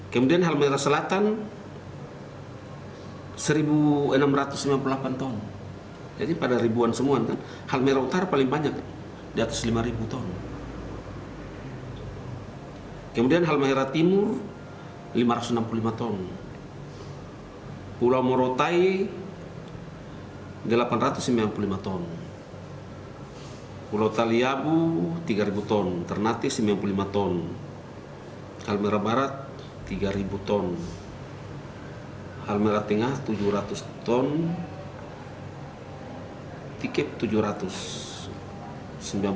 kemudian halmahera timur lima ratus enam puluh lima ton pulau morotai delapan ratus sembilan puluh lima ton pulau taliabu tiga ribu ton ternate sembilan puluh lima ton halmahera barat tiga ribu ton halmahera tengah tujuh ratus ton tiket tujuh ratus ton